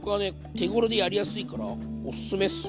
手ごろでやりやすいからおすすめっすね。